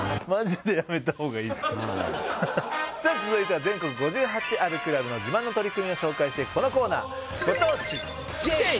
さあ続いては全国５８あるクラブの自慢の取り組みを紹介していくこのコーナー。